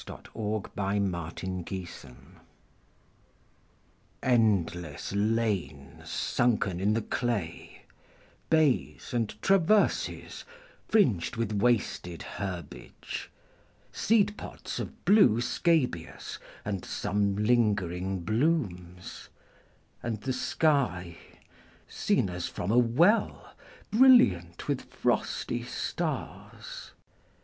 Frederic Manning THE TRENCHES ENDLESS lanes sunken in the clay, Bays, and traverses, fringed with wasted herbage, Seed pods of blue scabious, and some lingering blooms ; And the sky, seen as from a well, Brilliant with frosty stars.